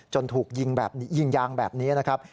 จนถูกยิงยางแบบนี้นะครับ